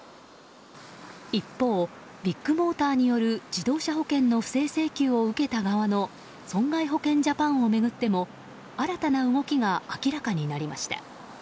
一方、ビッグモーターによる自動車保険の不正請求を受けた側の損害保険ジャパンを巡っても新たな動きが明らかになりました。